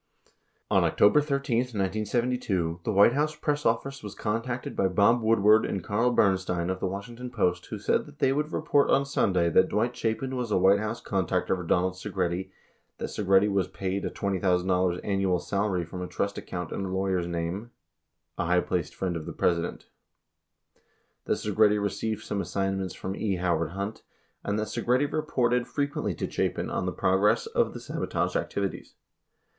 91 On October 13, 1972, the White House press office was contacted by Bob Woodward and Carl Bernstein of the Washington Post who said that they would report on Sunday that Dwight Chapin was a White House contact for Donald Segretti, that Segretti was paid a $20,000 annual salary from a "trust account in a lawyer's name a high placed friend of the President," that Segretti received some assignments from E. Howard Hunt, and that Segretti reported fre quently to Chapin on the progress of the sabotage activities.